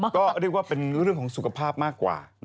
ก็เรียกว่าเป็นเรื่องของสุขภาพมากกว่า